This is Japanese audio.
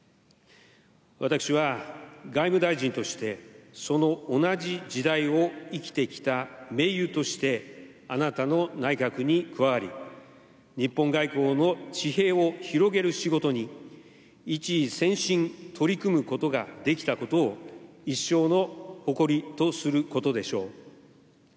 私は外務大臣として、その同じ時代を生きてきた盟友として、あなたの内閣に加わり、日本外交の地平を広げる仕事に一意専心取り組むことができたことを、一生の誇りとすることでしょう。